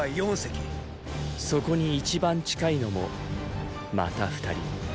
そこに一番近いのもまた二人。